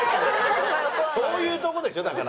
そういうとこでしょ？だから。